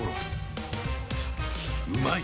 うまい！